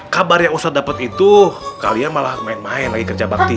kabar yang ustadz dapat itu kalian malah main main lagi kerja bakti